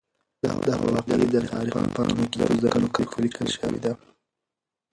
دا واقعه د تاریخ په پاڼو کې په زرینو کرښو لیکل شوې ده.